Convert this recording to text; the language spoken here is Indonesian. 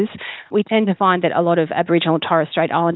kita selalu menemukan bahwa banyak orang di negara asing dan negara asing